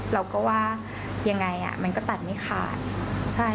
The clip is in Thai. เราก็ว่ายังไงมันก็ตัดไม่ขาย